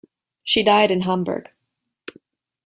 She died in Hamburg.